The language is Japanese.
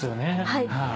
はい。